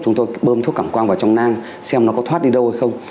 chúng tôi bơm thuốc cảm quang vào trong nang xem nó có thoát đi đâu hay không